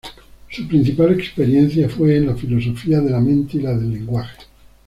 Su principal experiencia fue en la filosofía de la mente y la del lenguaje.